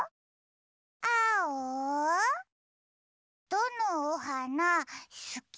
どのおはなすき？